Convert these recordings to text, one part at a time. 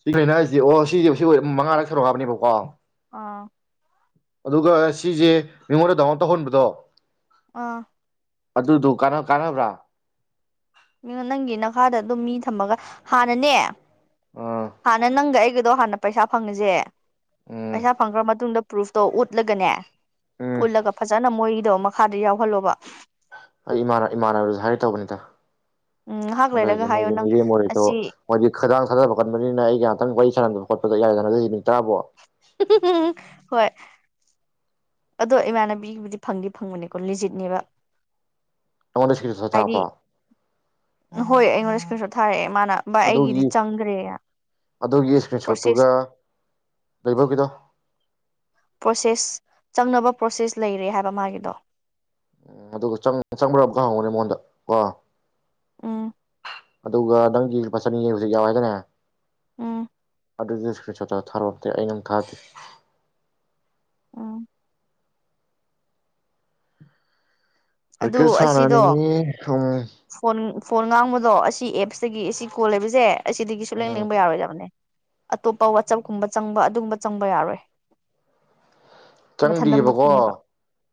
ꯁꯤ ꯀꯩꯅꯣ ꯍꯥꯏꯁꯤ ꯑꯣ ꯁꯤꯁꯦ ꯁꯤ ꯃꯉꯥꯔꯛ ꯊꯥꯔꯛꯑꯣꯕꯅꯦꯕꯀꯣ ꯑꯥ ꯑꯗꯨꯒ ꯁꯤꯁꯦ ꯃꯤꯉꯣꯟꯗ ꯗꯥꯎꯟꯥꯎꯟ ꯇꯧꯍꯟꯕꯗꯣ ꯑꯥ ꯑꯗꯨꯗꯨ ꯀꯅ ꯀꯥꯟꯅꯕ꯭ꯔꯥ ꯅꯪꯒꯤ ꯅꯈꯥꯗ ꯑꯗꯨꯝ ꯃꯤ ꯊꯝꯃꯒ ꯍꯥꯟꯅꯅꯦ ꯑ ꯍꯥꯟꯅ ꯅꯪꯒꯥ ꯑꯩꯒꯗꯣ ꯍꯅ ꯄꯩꯁꯥ ꯐꯪꯉꯁꯦ ꯎꯝ ꯄꯩꯁꯥ ꯐꯪꯈ꯭ꯔ ꯃꯇꯨꯡꯗ ꯄ꯭ꯔꯨꯐꯇꯧ ꯎꯠ ꯎꯠꯂꯒꯅꯦ ꯎꯝ ꯎꯠꯂꯒ ꯐꯖꯅ ꯃꯣꯏꯗꯣ ꯑꯃ ꯃꯈꯥꯗ ꯌꯥꯎꯍꯜꯂꯣꯕ ꯑꯩꯥꯟ ꯏꯃꯥꯟꯅꯅꯕꯔꯁꯨ ꯍꯥꯏꯔꯦ ꯇꯧꯕꯅꯤꯗ ꯎꯝ ꯉꯥꯏꯍꯥꯛ ꯑꯗꯩꯗꯤ ꯂꯩꯔꯒ ꯍꯥꯏꯌꯣ ꯃꯣꯏꯁꯨ ꯅꯪ ꯃꯤꯔꯦꯝ ꯑꫭꯏꯔꯤꯗꫭ ꯑꯁꯤ ꯃꯣꯏꯗꯤ ꯈꯗꯥꯡ ꯊꯥꯗꯕ ꯀꯟꯕꯅꯤꯅ ꯑꯩꯒ ꯉꯍꯥꯛꯇꯪ ꯋꯥꯔꯤ ꯁꯥꯟꯅꯗꯕ ꯈꯣꯠꯄꯗ ꯌꯥꯔꯗꯅꯗꯤꯃꯤ ꯇꯔꯥꯕꯣ ꯍꯣꯏ ꯑꯗꯣ ꯏꯃꯥꯟꯅꯕꯤꯒꯤꯕꯨꯗꯤ ꯐꯪꯗꯤ ꯐꯪꯕꯅꯦꯀꯣ ꯂꯤꯖꯤꯠꯅꯦꯕ ꯅꯪꯉꫭꯟꯗ ꯁꯀꯔꯤꯟꯁꫭꯠ ꯍꯥꯏꯗꯤ ꯊꯥꯔꯛꯄꯔꫭ ꯍꯣꯏ ꯑꯩꯉꯣꯟ ꯏꯁ꯭ꯀꯜꯁꯨ ꯊꯥꯔꯑꯦ ꯑꯗꯨꯒꯤ ꯑꯗꯨꯒꯤ ꯏꯁꯀ꯭ꯔꯤꯟ ꯄ꯭ꯔꯣꯁꯦꯁ ꯁꯣꯠꯇꯨꯒ ꯂꯩꯕꯧꯒꯤꯗꯣ ꯄ꯭ꯔꯣꯁꯦꯁ ꯆꯪꯅꯕ ꯄ꯭ꯔꯣꯁꯦꯁ ꯂꯩꯔꯦ ꯍꯥꯏꯕ ꯃꯥꯒꯤꯗꯣ ꯎꯝ ꯑꯗꯨꯒ ꯆꯪꯕ꯭ꯔꯥ ꯑꯃꯒ ꯍꯪꯉꯨꯅꯦ ꯃꯉꯣꯟꯗ ꯀꯣ ꯎꯝ ꯑꯗꯨꯒ ꯅꯪꯒꯤ ꯐꯠ ꯆꯟꯅꯤꯉ ꯍꯧꯖꯤꯛ ꯌꯥꯎ ꯍꯥꯏꯗꯅꯦ ꯎꯝ ꯑꯗꯨꯗ ꯊꯥꯔꯣꯝꯇꯦ ꯑꯩꯉꯝ ꯊꯥꯗꯦ ꯎ ꯑꯗꯨ ꯀ꯭ꯔꯤꯀꯦꯠ ꯑꯁꯤꯗꯣ ꯁꯅꯤ ꯊꯨꯝ ꯐꯣꯟ ꯐꯣꯟ ꯉꯥꯡꯕꯗꯣ ꯑꯁꯤ ꯑꯦꯞꯁꯇꯒꯤ ꯑꯁꯤ ꯀꯣꯜ ꯂꯩꯕꯁꯦ ꯑꯩ ꯑꯁꯤꯗꯒꯤꯁꯨ ꯂꯦꯡ ꯎꯝ ꯂꯦꯡꯕ ꯌꯥꯔꯣꯏꯗꯕꯅꯦ ꯑꯇꯣꯞꯄ ꯋꯥꯆꯞꯀꯨꯝꯕ ꯆꯪꯕ ꯑꯗꯨꯒꯨꯝꯕ ꯆꯪꯕ ꯌꯥꯔꯣꯏ ꯆꯪꯗ꯭ꯔꯤꯑꯕꯀꯣ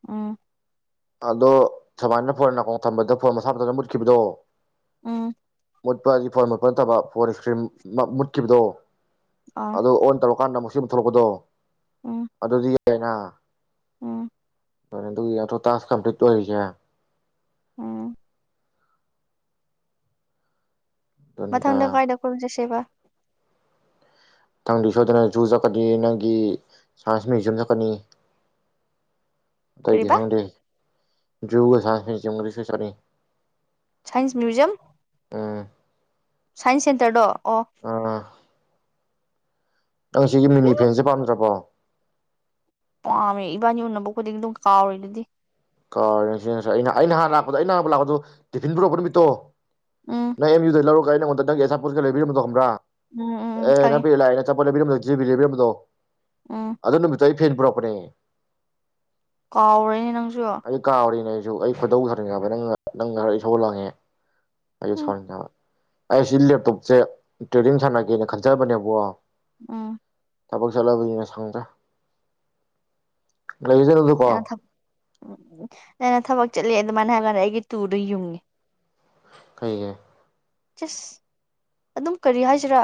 ꯎꯥ ꯑꯗꯣ ꯁꯨꯃꯥꯏꯅ ꯐꯣꯟ ꯅꯥꯀ ꯊꯝꯕꯗ ꯐꯣꯟ ꯃꯁꯥꯝꯇꯅ ꯃꯨꯠꯈꯤꯕꯗꯣ ꯑꯝ ꯃꯨꯠꯄ ꯔꯤꯐꯣꯟ ꯃꯨꯠꯄ ꯅꯠꯇꯕ ꯐꯣꯔꯁ ꯀ꯭ꯔꯤꯝ ꯃꯨꯠꯈꯤꯕꯗꯣ ꯑꯥ ꯑꯗꯨꯣ ꯑꯣꯟ ꯇꯧꯔꯀꯥꯟꯗ ꯨꯝ ꯊꯣꯛꯂꯛꯄꯗꯣ ꯎꯝ ꯑꯗꯨ ꯑꯗꯨꯗꯤ ꯆꯩꯅꯥ ꯎꯝ ꯐꯔꯦ ꯑꯗꯨ ꯌꯥ ꯇꯥꯁ ꯀꯝꯄꯂꯤꯠ ꯑꯣꯏꯔꯤꯁꯦ ꯑꯝ ꯑꯗꯨꯅꯤꯗ ꯃꯊꯪꯗ ꯀꯥꯏꯗ ꯈꯖꯦꯁꯦꯕ ꯅꯪꯗꯤ ꯁꯣꯏꯗꯅ ꯖꯨ ꯆꯠꯀꯅꯤ ꯅꯪꯒꯤ ꯁꯥꯏꯟꯁ ꯃ꯭ꯌꯨꯖꯤꯌꯝ ꯆꯠꯀꯅꯤ ꯇꯗꯤ ꯀꯔꯤꯕ ꯈꯪꯗꯦ ꯌꯨꯁꯗꯨꯁꯨ ꯁꯥꯔ ꯁꯥꯏꯟꯁ ꯃ꯭ꯌꯨꯖꯤꯌꯝ ꯁꯥꯏꯟꯁ ꯁꯦꯟꯇꯔꯗꯣ ꯑꯣ ꯑꯥ ꯅꯪ ꯁꯤꯒꯤ ꯃꯤꯅꯤ ꯐꯦꯟꯁꯦ ꯄꯥꯝꯗ꯭ꯔꯕꯣ ꯄꯥꯝꯃꯦ ꯏꯕꯥꯅꯤ ꯎꯅꯕ ꯈꯨꯗꯤꯡ ꯑꯗꯨꯝ ꯀꯥꯎꯔꯔꯤ ꯑꯗꯨꯗꯤ ꯀꯁꯤꯁ ꯑꯩꯅ ꯑꯩꯅ ꯍꯥꯟ ꯂꯥꯛꯄꯗ ꯑꯩꯅ ꯍꯍ ꯂꯥꯛꯄꯗꯣ ꯇꯤꯐꯤꯟ ꯄꯨꯔꯛꯄ ꯅꯨꯃꯤꯠꯇꯣ ꯎꯝ ꯅꯪ ꯑꯦꯝ ꯌꯨꯗꯩ ꯂꯧꯔꯒ ꯑꯩꯉꯗ ꯅꯪ ꯑꯦꯁꯥꯄꯠꯀꯒ ꯂꯩꯕꯤꯝꯣ ꯈꯪ꯭ꯔꯥ ꯎꯝ ꯎꯝ ꯎꯝ ꯑꯦꯩꯅ ꯈꯪꯉꯦ ꯄꯤ ꯂꯅꯦ ꯆꯄꯂꯦꯝ ꯖꯤ ꯕꯤ ꯂꯩꯦꯕꯤꯝꯕꯗꯣ ꯎꯝ ꯑꯗꯨꯗꯣ ꯅꯃꯤ ꯇꯥꯏ ꯐꯔ ꯭ꯔꯣꯄꯔꯦ ꯀꯥꯎꯔꯦꯅꯦ ꯅꯪ ꯑꯩ ꯀꯥ ꯑ ꯅ ꯑꯩ ꯐꯣꯏꯗꯧꯖꯔꯤꯉꯕ ꯅꯪ ꯅꯪ ꯈꯔ ꯏꯁꯧꯜ ꯂꯥꯡꯉꯦ ꯑꯩ ꯎꯝ ꯁꯔ ꯀꯕ ꯑꯩꯁꯤ ꯂꯦꯞꯇꯣꯞꯁꯦ ꯇ꯭ꯔꯦꯗꯤꯡ ꯁꯥꯟꯅꯒꯦꯅ ꯈꯟꯖꯕꯅꯦꯕꯣ ꯑ ꯊꯕꯛ ꯆꯠꯂꯕꯅꯤꯅ ꯁꯪꯗ꯭ꯔ ꯔꯍꯤꯗꯅꯗꯨꯀꯣ ꯑꯩꯅ ꯊꯕꯛ ꯆꯠꯂꯤꯦ ꯑꯗꯨꯃꯥꯏꯅ ꯍꯥꯏꯔꯀꯥꯟꯗ ꯑꯩꯒꯤ ꯇꯨꯔꯗ ꯌꯨꯡꯉꯦ ꯀꯩꯒ ꯆꯁ ꯑꯗꯨꯝ ꯀꯔꯤ ꯍꯥꯏꯁꯤꯔꯥ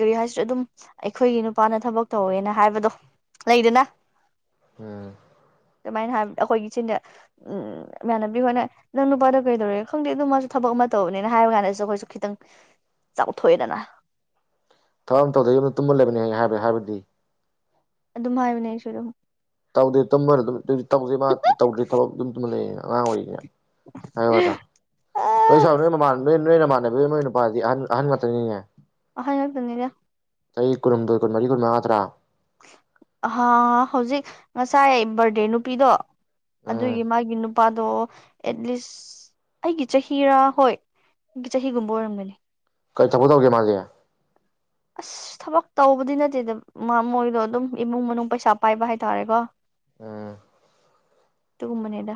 ꯀꯔꯤ ꯍꯥꯏꯁꯤꯔꯥ ꯑꯗꯨꯝ ꯑꯩꯈꯣꯏꯒꯤ ꯅꯨꯄꯥꯅ ꯊꯕꯛ ꯇꯧꯋꯦꯅ ꯍꯥꯏꯕꯗꯣ ꯂꯩꯗꯅ ꯎꯝ ꯀꯃꯥꯏꯅ ꯍꯥꯏ ꯑꯩꯈꯣꯏꯒꯤꯆꯤꯟꯗ ꯎ ꯏꯃꯥꯟꯅꯕꯤ ꯑꯩꯣꯏꯅ ꯅꯪ ꯅꯨꯄꯥꯗꯣ ꯀꯩꯗꯧꯔꯤ ꯈꯪꯗꯦ ꯑꯗꯨ ꯃꯥꯁꯨ ꯊꯕꯛ ꯑꯃ ꯇꯧꯕꯅꯤꯅ ꯍꯥꯏꯕ ꯀꯥꯟꯗꯁꯨ ꯑꯩꯈꯣꯏꯁꯨ ꯈꯤꯇꯪ ꯆꯥꯎꯊꯣꯛꯑꯦꯗꯅ ꯊꯕꯛ ꯑꯃꯗ ꯌꯨꯝꯗ ꯇꯨꯝꯃꯜꯂꯕꯅꯤ ꯍꯥꯏ ꯍꯥꯏꯕ ꯍꯥꯏꯕꯗꯤ ꯑꯗꯨꯝ ꯍꯥꯏꯕꯅꯦ ꯁꯔ ꯇꯝꯕꯔ ꯇꯧꯁꯦ ꯃꯥ ꯇꯧꯗ꯭ꯔꯦ ꯊꯂꯛ ꯑꯗꯨꯝꯗꯨꯝ ꯂꯩꯌꯦ ꯑꯉꯥꯡ ꯑꯣꯏꯔꯤꯌꯦ ꯍ꯭ꯔ ꯁꯥꯎꯅ ꯃꯃꯥꯟ ꯣꯏꯅꯃꯥꯟꯅꯕꯤ ꯃꯣꯏ ꯅꯨꯄꯥꯗꯤ ꯑꯍ ꯑꯍꯟ ꯉꯥꯛꯅꯤꯅꯦ [unintelligible] ꯆꯍꯤ ꯀꯨꯟꯍꯨꯝꯗꯣꯏ ꯀꯨꯟꯃꯔꯤ ꯀꯨꯟꯃꯉꯥꯗꯔꯥ ꯑꯍꯥ ꯍꯧꯖꯤꯛ ꯉꯁꯥꯏ ꯕꯔꯊꯗꯦ ꯅꯨꯄꯤꯗꯣ ꯎꯝ ꯑꯗꯨꯒꯤ ꯃꯥꯒꯤ ꯅꯨꯄꯥꯗꯣ ꯑꯦꯠꯂꯤꯁꯠ ꯑꯩꯒꯤ ꯆꯍꯤꯔꯥ ꯍꯣꯏ ꯆꯍꯤꯒꯨꯝꯕ ꯑꯣꯏꯔꯝꯒꯅꯤ ꯀꯔꯤ ꯊꯕꯛ ꯇꯧꯒꯦ ꯃꯥꯗꯤ ꯑꯁ ꯊꯕꯛ ꯇꯧꯕꯗꯤ ꯅꯠꯇꯦꯗ ꯃꯣꯏꯗꯣ ꯑꯗꯨꯝ ꯏꯃꯨꯡ ꯃꯅꯨꯡ ꯄꯩꯁꯥ ꯄꯥꯏꯕ ꯍꯥꯏꯇꯥꯔꯦꯀꯣ ꯑꯥ ꯑꯗꯨꯒꯨꯝꯕꯅꯦꯗ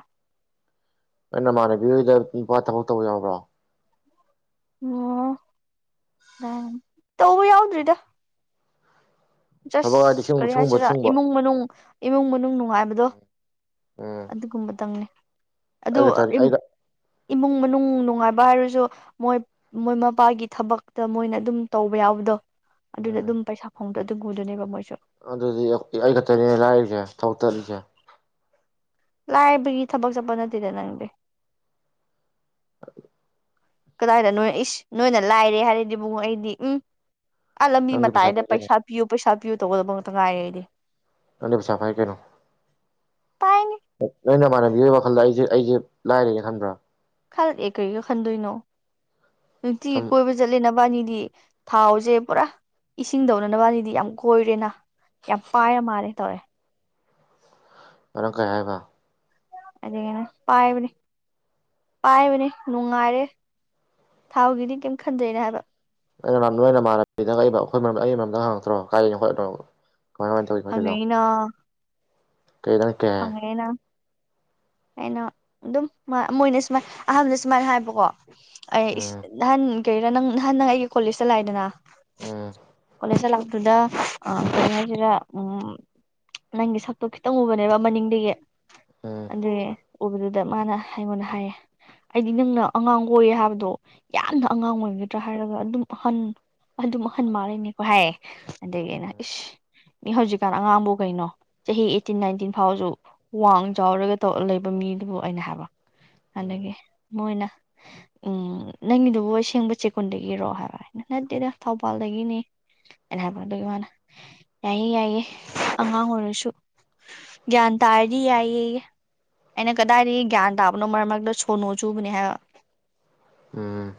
ꯅꯪ ꯅꯃꯥꯟꯅꯕꯤꯍꯣꯏꯗ ꯅꯨꯨꯄꯥ ꯊꯕꯛ ꯇꯧꯕ ꯌꯥꯎꯕ꯭ꯔꯣ ꯑꯝ ꯇꯧꯕ ꯌꯥꯎꯗ꯭ꯔꯤꯗ ꯊꯕꯛ ꯍꯥꯏꯗꯤ ꯖꯁꯠ ꯁꯤꯒꯨꯝꯕ ꯀꯔꯤ ꯁꯤꯒꯨꯝꯕ ꯍꯥꯏꯁꯤꯔꯥ ꯁꯤꯒꯨꯝꯕ ꯏꯃꯨꯡ ꯃꯅꯨꯡ ꯏꯃꯨꯡ ꯃꯅꯨꯡ ꯅꯨꯡꯉꯥꯏꯕꯗꯣ ꯎꯝ ꯑꯗꯨꯒꯨꯝꯕꯗꯪꯅꯦ ꯑꯩ ꯑꯗꯨ ꯈꯛꯇꯅꯤ ꯑꯩꯒ ꯏꯃꯨꯡ ꯃꯅꯨꯡ ꯅꯨꯡ ꯅꯨꯡꯉꯥꯏꯕ ꯍꯥꯏꯔꯁꯨ ꯃꯣꯏ ꯃꯣꯏ ꯃꯄꯥꯒꯤ ꯊꯕꯛꯇ ꯃꯣꯏꯅ ꯑꯗꯨꯝ ꯇꯧꯕ ꯌꯥꯎꯕꯗꯣ ꯑꯗꯨꯗ ꯎꯝ ꯑꯗꯨꯝ ꯄꯩꯁꯥ ꯐꯪꯕ ꯑꯗꯨ [unintelligible] ꯃꯣꯏ ꯑꯗꯨꯗꯤ ꯑꯩ ꯈꯛꯇꯅꯤꯅꯦ ꯂꯥꯏꯔꯔꯤꯁꯦ ꯊꯕꯛ ꯆꯠꯂꯤꯁꯦ ꯂꯥꯏꯔꯕꯒꯤ ꯊꯕꯛ ꯆꯠꯄ ꯅꯠꯇꯦꯗ ꯅꯪꯗꯤ [unintelligible] ꯀꯗꯥꯏꯗꯅꯣ ꯅꯣꯏ ꯏꯁ ꯅꯣꯏꯅ ꯂꯥꯏꯔꯩ ꯍꯥꯏꯔꯗꯤ ꯏꯕꯨꯡꯉꯣ ꯑꯩꯗꯤ ꯑꯝ ꯑꯥ ꯂꯝꯕꯤ ꯅꯪꯗꯤ ꯄꯥꯏ ꯃꯇꯥꯏꯗ ꯀꯩꯅꯣ ꯄꯩꯁꯥ ꯄꯤꯌꯨ ꯄꯩꯁꯥ ꯄꯤꯌꯨ ꯇꯧꯒꯗꯕꯉꯛꯇ ꯉꯥꯏꯔꯦ ꯑꯩꯗꯤ ꯅꯪꯗꯤ ꯄꯩꯁꯥꯄꯥꯏ ꯀꯩꯅꯣ ꯄꯥꯏꯅꯤ ꯅꯣꯏ ꯅꯃꯥꯟꯅꯕꯤ [unintelligible] ꯋꯥꯈꯜꯗ ꯑꯩꯁꯦ ꯑꯩꯁꯦ ꯂꯥꯏꯔꯩꯅ ꯈꯟꯕ꯭ꯔꯥ ꯈꯟꯗꯦ ꯀꯔꯤꯒꯤ ꯈꯟꯗꯣꯏꯅꯣ ꯅꯨꯡꯇꯤꯒꯤ ꯁꯨꯝ ꯀꯣꯏꯕ ꯆꯠꯂꯤꯅ ꯅꯕꯅꯤꯗꯤ ꯊꯥꯎꯁꯦ ꯄꯨꯔꯥ ꯏꯁꯤꯡ ꯗꯧꯅ ꯅꯕꯅꯤꯗꯤ ꯌꯥꯝ ꯀꯣꯏꯔꯦꯅ ꯌꯥꯝ ꯄꯥꯏꯔ ꯃꯥꯜꯂꯦ ꯇꯧꯔꯦ [unintelligible] ꯀꯩ ꯍꯥꯏꯕ ꯑꯗꯨꯒꯤꯅꯤ ꯄꯥꯏꯕꯅꯦ ꯄꯥꯏꯕꯅꯦ ꯅꯨꯡꯉꯥꯏꯔꯦ ꯊꯥꯎꯒꯤꯗꯤ ꯀꯦꯝ ꯈꯟꯗꯦꯅ ꯍꯥꯏꯕ ꯑꯩꯅ ꯅꯣꯏ ꯅꯃꯥꯟꯅꯕꯤꯗ ꯑꯩꯈꯣꯏ ꯑꯩꯒꯤ ꯃꯔꯝꯗ ꯍꯪꯉꯛꯇ꯭ꯔꯣ ꯀꯥꯏꯗꯩꯩꯅꯣ ꯈꯣꯠꯇꯩꯅꯣ ꯍꯪꯉꯛꯏꯅ ꯀꯩꯗ ꯀꯩ ꯍꯥꯏ ꯍꯪꯉꯛꯏꯅ ꯑꯩꯅ ꯑꯗꯨꯝ ꯃꯣꯏꯅ ꯁꯨꯃꯥꯏꯅ ꯑꯍꯥꯟꯕꯗ ꯁꯨꯃꯥꯏꯅ ꯍꯥꯏꯕꯀꯣ ꯑꯩ ꯎꯝ ꯅꯥꯍꯟ ꯀꯩꯩꯔꯥ ꯅꯪ ꯅꯍꯟ ꯅꯪ ꯑꯩꯒꯤ ꯀꯣꯂꯦꯖꯇ ꯂꯥꯛꯏꯗꯅ ꯎꯝ ꯀꯣꯂꯦꯖꯇ ꯂꯥꯛ ꯑꯗꯨꯗ ꯀꯩꯅꯣ ꯍꯥꯏꯁꯤꯗ ꯎ ꯅꯪꯒꯤ ꯁꯛꯇꯣ ꯈꯤꯇꯪ ꯎꯕꯅꯦꯕ ꯝꯕ ꯅꯤꯡꯗꯒꯦ ꯎꯝ ꯑꯗꯨꯗꯦ ꯎꯕꯗꯨꯗ ꯃꯥꯅ ꯑꯩꯉꯣꯟꯗ ꯍꯥꯏꯌꯦ ꯑꯩꯗꯤ ꯅꯪꯅ ꯑꯉꯥꯡ ꯑꯣꯏꯌꯦ ꯍꯥꯏꯕꯗꯣ ꯌꯥꯝꯅ ꯑꯉꯥꯡ ꯑꯣꯏꯒꯗ꯭ꯔꯥ ꯍꯥꯏꯔꯒ ꯑꯗꯨꯝ ꯑꯍꯟ ꯑꯗꯨꯝ ꯑꯍꯟ ꯃꯥꯜꯂꯤꯅꯤꯀꯣ ꯍꯥꯏꯌꯦ ꯅꯒꯦꯅ ꯎꯝ ꯏ ꯃꯤ ꯍꯧꯖꯤꯛꯀꯥꯟ ꯑꯉꯥꯡꯕꯨ ꯀꯩꯅꯣ ꯆꯍꯤ ꯑꯩꯇꯤꯟ ꯅꯥꯏꯟꯇꯤꯟ ꯐꯥꯎꯁꯨ ꯋꯥꯡ ꯆꯥꯎꯔꯒꯧ ꯂꯩꯕ ꯃꯤꯗꯨꯕꯨ ꯑꯩꯅ ꯍꯥꯏꯕ ꯎꯝ ꯑꯗꯒꯤ ꯃꯣꯏꯅ ꯎꯝ ꯅꯪꯒꯤꯗꯨꯕꯨ ꯑꯁꯦꯡꯕ ꯆꯦꯛꯀꯨꯟꯗꯒꯤꯔꯣ ꯍꯥꯏꯕ ꯍꯥꯏ ꯅꯠꯇꯦꯗ ꯊꯧꯕꯥꯜꯗꯒꯤꯅꯤ ꯑꯩꯅ ꯍꯥꯏꯕ ꯑꯗꯨꯒꯤ ꯃꯥꯅ ꯌꯥꯏꯌꯦꯦ ꯌꯥꯏꯌꯦꯦ ꯑꯉꯥꯡ ꯑꯣꯏꯔꯁꯨ ꯒ꯭ꯌꯥꯟ ꯇꯥꯔꯗꯤ ꯌꯥꯏꯌꯦ ꯑꯩꯅ ꯀꯗꯥꯏꯗꯒꯤ ꯒ꯭ꯌꯥꯟ ꯇꯥꯕꯅꯣ ꯃꯔꯛ ꯃꯔꯛꯇ ꯁꯣꯟꯅꯨ ꯆꯨꯕꯅꯦ ꯍꯥꯏꯕ ꯎꯝ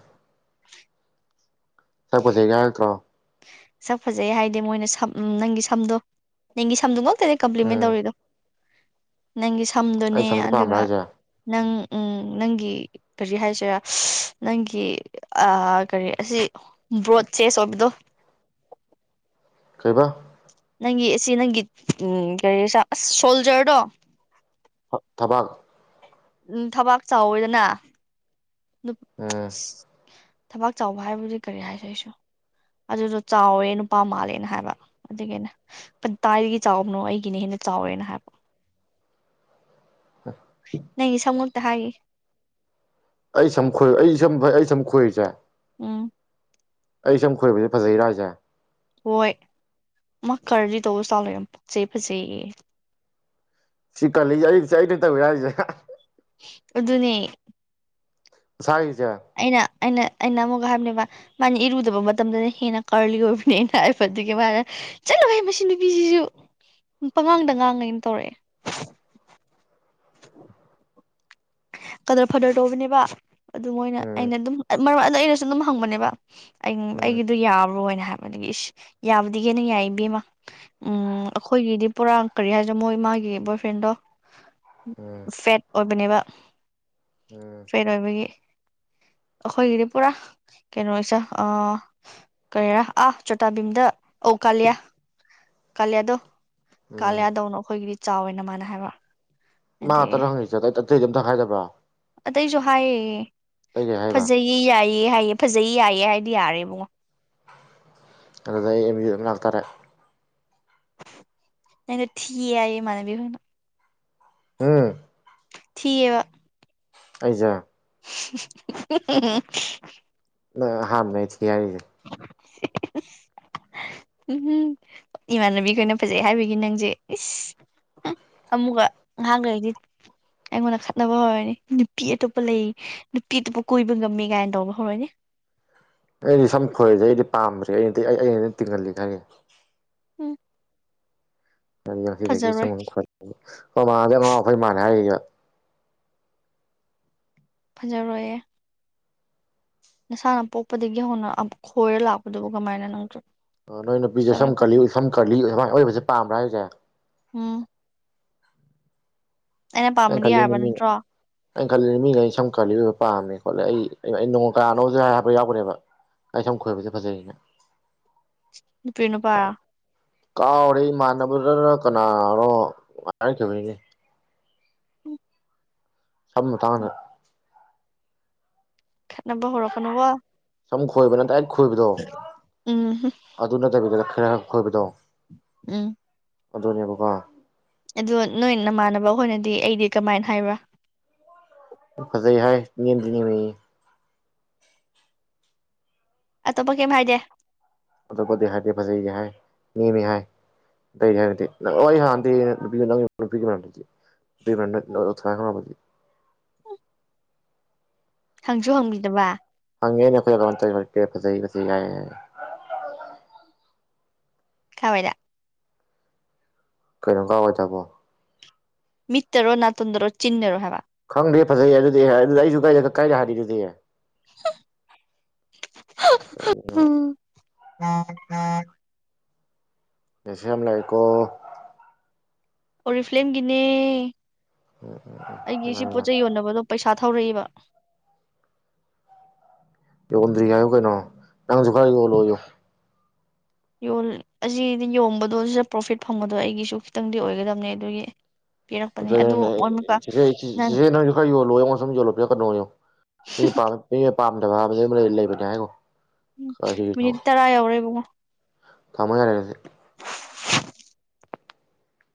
ꯆꯀꯁ ꯍꯒꯠꯇ꯭ꯔꯣ ꯁꯛ ꯐꯖꯩ ꯍꯥꯏꯗꯤ ꯃꯣꯏꯅ ꯁꯝ ꯅꯪꯒꯤ ꯁꯝꯗꯣ ꯅꯪꯒꯤ ꯁꯝꯗꯨꯣꯃꯛ ꯦ ꯎꯝ ꯀꯞꯂꯤꯃꯤꯦꯟꯗꯧꯔꯤꯗꯣ ꯅꯪ ꯑꯩ ꯊꯝꯗꯨꯣꯅꯦ ꯁꯝꯁꯦ ꯄꯥꯝꯕ꯭ꯔꯥ ꯑꯗꯨꯒ ꯍꯥꯏꯁꯦ ꯅꯪ ꯎꯝ ꯅꯪꯒꯤ ꯀꯔꯤ ꯍꯥꯏꯁꯤꯔꯥ ꯅꯪꯒꯤ ꯀꯔꯤ ꯑꯁꯤ ꯕ꯭ꯔꯣꯗ ꯆꯦꯁ ꯑꯣꯏꯕꯗꯣ ꯀꯩꯕ ꯅꯪꯒꯤ ꯑꯁꯤ ꯅꯪꯒꯤ ꯎꯝ ꯀꯔꯤ ꯑꯁ ꯁꯣꯜꯖꯔꯗꯣ ꯊꯕꯥꯡ ꯎꯝ ꯊꯕꯥꯛ ꯆꯥꯎꯋꯦꯗꯅ ꯅꯨꯄ ꯎꯝ ꯎꯁ [inaudible] ꯊꯕꯥꯛ ꯆꯥꯎꯕ ꯍꯥꯏꯕꯗꯤ ꯀꯔꯤ ꯍꯥꯏꯁꯦ ꯑꯩꯁꯨ ꯑꯗꯨꯗꯣ ꯆꯥꯎꯋꯦ ꯅꯨꯄꯥ ꯃꯥꯜꯂꯦꯅ ꯍꯥꯏꯕ ꯑꯗꯨꯒꯤꯅꯦ ꯀ ꯀꯥꯏꯗꯒꯤ ꯆꯥꯎꯕꯅꯣ ꯑꯩꯒꯤꯅ ꯍꯦꯟꯅ ꯆꯥꯎꯋꯦꯅ ꯍꯥꯏꯕ ꯅꯪ ꯁꯃ ꯊꯥꯏ ꯑꯩ ꯁꯝ ꯈꯣꯏ ꯑꯩ ꯁꯝ ꯐꯩ ꯑꯩ ꯁꯝ ꯈꯣꯏꯔꯤꯁꯦ ꯎꯝ ꯑꯩ ꯁꯝ ꯈꯣꯏꯕꯁꯦ ꯐꯖꯩꯔꯥꯁꯦ ꯍꯣꯏ ꯃꯥ ꯈꯔꯗꯤ ꯇꯧꯕ ꯆꯥꯜꯂ ꯌꯥꯝ ꯄꯛꯆꯩ ꯐꯖꯩꯌꯦ ꯁꯤꯀꯔꯂꯤꯖ ꯆꯥꯏꯅꯤ ꯇꯧ ꯌꯥꯏꯖꯦ ꯑꯗꯨꯅꯦ ꯁꯥꯏ ꯑꯩꯅ ꯑꯩꯅ ꯑꯩꯅ ꯑꯃꯨꯛꯒ ꯍꯥꯏꯕꯅꯦ ꯃꯥꯅ ꯏꯔꯨꯗꯕ ꯃꯇꯝꯗꯅ ꯍꯦꯟꯅ ꯀꯥꯔꯂꯤ ꯑꯣꯏꯕꯅꯦꯅ ꯍꯥꯏꯕ ꯑꯥꯗꯒꯦ ꯃꯥꯅ ꯆꯠꯂꯨ ꯍꯥꯏ ꯃꯁꯤ ꯅꯨꯄꯤꯁꯤꯁꯨ ꯄꯉꯥꯡꯗ ꯉꯥꯡꯉꯩꯅ ꯇꯧꯔꯛꯑꯦ ꯀꯗ꯭ꯔ ꯐꯗ꯭ꯔ ꯇꯧꯕꯅꯦꯕ ꯑꯗꯨ ꯃꯣꯏꯅ ꯎꯝ ꯑꯩꯅ ꯑꯗꯨꯝ ꯃꯔꯝ ꯑꯗꯨꯗꯣ ꯑꯩꯅꯁꯨ ꯑꯗꯨꯝ ꯍꯪꯕꯅꯦꯕ ꯑꯩ ꯎꯝ ꯑꯩꯒꯤꯗꯣ ꯌꯥꯕ꯭ꯔꯣꯅ ꯍꯥꯏꯕ ꯑꯗꯒꯤ ꯏꯁ ꯌꯥꯕꯗꯒꯤꯦꯟꯅ ꯌꯥꯏ ꯏꯕꯃ ꯎ ꯑꯩꯈꯣꯏꯒꯤꯗꯤ ꯄꯨꯣꯔꯥ ꯀꯔꯤ ꯍꯥꯏꯔ ꯃꯣꯏ ꯃꯥꯒꯤ ꯕꯣꯏꯐ꯭ꯔꯦꯟꯗꯣ ꯎꯝ ꯐꯦꯠ ꯑꯣꯏꯕꯅꯦꯕ ꯎꯝ ꯐꯦꯠ ꯑꯣꯏꯕꯒꯤ ꯑꯩꯈꯣꯏꯒꯤꯗꯤ ꯄꯨꯔꯥ ꯀꯩꯅꯣꯁꯦ ꯑ ꯀꯔꯤꯔꯥ ꯑꯥ ꯆꯣꯇꯥꯕꯤꯝꯗ ꯑꯧ ꯀꯥꯂꯤꯌꯥ ꯀꯥꯂꯤꯌꯥꯗꯣ ꯎꯝ ꯀꯥꯂꯤꯌꯥꯗꯧꯅꯣ ꯑꯩꯈꯣꯏꯒꯤꯗꯤ ꯆꯥꯎꯋꯦ ꯅ ꯃꯥꯅ ꯍꯥꯏꯕ ꯃꯥ ꯉꯥꯛ ꯑꯗꯒꯤ ꯇꯔ ꯍꯪꯉꯁꯦ ꯑꯇꯩ ꯑꯇꯩꯗꯤ ꯑꯝꯇꯈꯥꯏꯗꯕ꯭ꯔꯣ [unintelligible] ꯍꯥꯏꯌꯦ ꯐꯖꯩꯌꯦ ꯌꯥꯏꯌꯦ ꯍꯥꯏꯌꯦ꯫ ꯐꯖꯩ ꯌꯥꯏꯌꯦ ꯍꯥꯏꯗꯤ ꯌꯥꯔꯦ ꯏꯕꯨꯡꯉꯣ꯫ ꯑꯗꯨꯗ ꯑꯩ ꯑꯦꯝ ꯌꯨ ꯑꯗꯨꯝ ꯂꯥꯛꯇꯥꯔꯦ꯫ ꯅꯥꯪꯗꯣ ꯊꯤ ꯍꯥꯌꯦ ꯏꯃꯥꯅꯥꯕꯤ [unintelligible] ꯊꯤ ꯑꯕ꯫ ꯑꯩꯖ? [unintelligible] ꯅꯪꯅ ꯑꯍꯥꯟꯕꯅꯤ ꯑꯩ ꯊꯤ ꯍꯥꯏꯔꯤꯖꯦ꯫ ꯎꯝ ꯏꯃꯥꯟꯅꯕꯤꯈꯣꯏꯅ ꯐꯖꯩ ꯍꯥꯏꯕꯒꯤ ꯅꯪꯁꯦ ꯏꯁ ꯑꯃꯨꯛꯀ ꯑꯍꯥꯟꯈꯩꯗꯤ ꯑꯩꯉꯣꯟꯗ ꯈꯠꯅꯕ ꯍꯧꯔꯣꯏꯅꯦ ꯅꯨꯄꯤ ꯑꯇꯣꯞꯄ ꯂꯩ ꯅꯨꯄꯤ ꯑꯇꯣꯞꯄ ꯀꯣꯏꯕ ꯉꯝꯃꯤ ꯀꯥꯏꯅ ꯇꯧꯕ ꯍꯧꯔꯣꯏꯅꯤ ꯫ ꯑꯩꯗꯤ ꯁꯝ ꯈꯣꯏꯁꯦ ꯑꯩꯗꯤ ꯄꯥꯝꯗ꯭ꯔꯦ ꯑꯩꯅꯗꯤ ꯑꯩ ꯑꯩꯅ ꯑꯗꯨꯝ ꯇꯤꯡꯍꯜꯂꯤ ꯫ ꯎꯝ꯫ ꯉꯁꯤꯗꯒꯤ ꯐꯖꯔꯣꯏ ꯁꯝ ꯈꯣꯏꯍꯟ ꯑꯩꯈꯣꯏ ꯃꯅꯥ ꯑꯉꯥꯑꯣ ꯑꯐꯩ ꯃꯥꯜꯂꯤ ꯍꯥꯏꯔꯤꯕ꯫ ꯐꯖꯔꯣꯏꯌꯦ꯫ ꯅꯁꯥꯅ ꯄꯣꯛꯄꯗꯒꯤ ꯍꯧꯅ ꯈꯣꯏꯔ ꯂꯥꯛꯄꯗꯨꯕꯨ ꯀꯃꯥꯏꯅ ꯅꯪꯖꯨ꯫ ꯅꯣꯏ ꯅꯨꯄꯤꯁꯦ ꯁꯝ ꯀꯂꯤ ꯁꯝ ꯀꯜꯂꯤ ꯁꯃꯥꯏꯅ ꯑꯣꯏꯕꯁꯦ ꯄꯥꯝꯕ꯭ꯔꯥ ꯍꯥꯏꯁꯦ? ꯎꯝ ꯑꯩꯅ ꯄꯥꯝꯕꯗꯤ ꯑꯪꯈꯜꯂꯤꯅꯤ ꯌꯥꯔꯕ ꯃꯤ ꯅꯠꯇ꯭ꯔꯣ ꯑꯪꯈꯜꯂꯤꯅꯤ ꯃꯤ ꯂꯣꯏꯅꯥ ꯁꯝ ꯀꯥꯔꯜꯂꯤ ꯑꯣꯏꯕ ꯄꯥꯝꯃꯦ ꯁꯤꯅꯤ꯫ ꯍꯣꯠꯂꯦ ꯑꯩ ꯅꯣꯡ ꯀꯥꯅꯣꯁꯨ ꯍꯥꯏꯔꯛꯄ ꯌꯥꯎꯈꯅꯦꯕ ꯑꯩ ꯁꯝ ꯈꯣꯏꯕꯁꯦ ꯐꯖꯩꯅ꯫ ꯅꯨꯄꯤꯔꯥ ꯅꯨꯄꯔꯥ? ꯀꯥꯎꯔꯦ ꯏꯃꯥꯟꯅꯕꯗꯅ ꯀꯅꯥꯅꯅꯣ ꯍꯥꯏꯔꯛꯈꯤꯕꯅꯦ꯫ ꯁꯝ ꯃꯇꯥꯡꯗ꯫ ꯈꯠꯅꯕ ꯍꯧꯔꯛꯀꯅꯨ ꯀꯣ꯫ ꯁꯝ ꯈꯣꯏꯕꯅꯥ ꯗꯥ ꯈꯣꯏꯕꯗꯣ ꯎꯝ ꯑꯗꯨ ꯅꯠꯇꯕꯤꯗ ꯈꯔ ꯈꯣꯏꯕꯗꯣ ꯎꯝ ꯑꯗꯨꯅꯦꯕꯀꯣ ꯑꯗ ꯅꯣꯏ ꯅꯃꯥꯟꯅꯕ ꯈꯣꯏꯅꯗꯤ ꯑꯩꯖꯦ ꯀꯃꯥꯏꯅ ꯍꯥꯏꯕ꯭ꯔꯥ ꯐꯖꯩ ꯍꯥꯏ ꯅꯦꯝꯗꯤꯅꯦꯝꯃꯤꯌꯦ ꯑꯇꯣꯞꯄ ꯀꯩꯝ ꯍꯥꯏꯗꯦ ꯑꯇꯣꯞꯄ ꯍꯥꯏꯗꯤ ꯐꯖꯩꯒ ꯍꯥꯏ ꯅꯦꯝꯃꯤ ꯍꯥꯏ ꯑ ꯍꯥꯏꯦ ꯅꯪ ꯑꯩ ꯍꯥꯟꯅꯗꯤ [unintelligible] ꯍꯪꯁꯨ ꯍꯪꯕꯤꯗꯕ [unintelligible] ꯀꯑꯋꯥꯏꯗ ꯀꯩꯅꯣꯝ ꯀꯑꯋꯥꯏ ꯗꯕꯣ ꯃꯤꯠꯇꯔꯣ ꯅꯥꯇꯣꯟꯗꯔꯣ ꯆꯤꯟꯗꯔꯣ ꯍꯥꯏꯕꯥ ꯈꯪꯗꯦ ꯐꯖꯩ ꯑꯗꯨꯗꯤ ꯑꯗꯨꯗꯤ ꯑꯩꯁꯨꯥꯏꯗ ꯀꯥꯏꯗ ꯍꯥꯏꯔꯤꯗꯨꯗꯤ ꯀꯔꯤꯅꯣ [inaudible] ꯃꯦꯁꯦꯖ ꯌꯥꯝ ꯂꯥꯛꯏꯀꯣ ꯑꯣꯔꯤꯐ꯭꯭ꯂꯝ ꯒꯤꯅꯦ ꯑꯩꯒꯤꯁꯤ ꯄꯣꯠꯆꯩ ꯌꯣꯟꯅꯕꯗꯣ ꯄꯩꯁꯥ ꯊꯧꯔꯛꯏꯕ ꯌꯣꯟꯗꯔꯤ ꯍꯥꯏꯎ ꯀꯩꯅꯣ ꯅꯪꯖꯨ ꯈꯔꯥ ꯌꯣꯜꯂꯣꯌꯣ ꯌꯣꯜꯂꯤ ꯑꯁꯤꯗꯤ ꯌꯣꯟꯕꯗꯣ ꯁꯤꯗ ꯄ꯭ꯔꯣꯐꯤꯠ ꯐꯪꯕꯗ ꯑꯩꯒꯤꯁꯨ ꯈꯤꯇꯪꯗꯤ ꯑꯣꯏꯒꯗꯕꯅꯦ ꯑꯗꯨꯒꯤ ꯄꯤꯔꯛꯄꯅꯦ ꯑꯗꯨ ꯑꯗꯨꯅꯤꯅꯦ ꯑꯣꯏꯃꯨꯀ ꯆꯦꯆꯦ ꯅꯪ ꯆꯤꯆꯦ ꯅꯣꯏꯖꯨ ꯈꯔ ꯌꯣꯜꯂꯣꯌꯣ ꯑꯩꯡꯉꯣꯟ ꯁꯨꯝ ꯌꯣꯜꯂꯣ ꯄꯤꯔꯛꯀꯅꯣ ꯌꯣ ꯃꯤ ꯄꯥꯝ ꯄꯥꯝꯗꯕ ꯍꯥꯏꯕꯖꯦ ꯂꯩꯕꯅꯦ ꯍꯥꯏꯒꯣ ꯎꯝ ꯀꯔꯤꯅꯣ ꯃꯤꯅꯤꯠ ꯇꯔꯥ ꯌꯥꯎꯔꯦ ꯏꯕꯨꯡꯉꯣ ꯊꯝꯃꯣ ꯌꯥꯔꯦ ꯑꯗꯨꯗꯤ [inaudible]